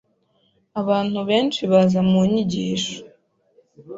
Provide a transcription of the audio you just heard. Abantu benshi baza mu nyigisho.